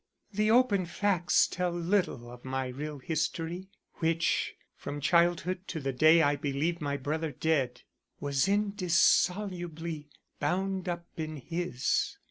The open facts tell little of my real history, which from childhood to the day I believed my brother dead was indissolubly bound up in his.